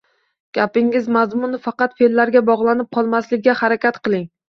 Gapingiz mazmuni faqat fe’llarga bog’lanib qolmasligiga harakat qiling